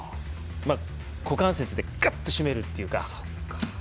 股関節でガッと締めるっていうか。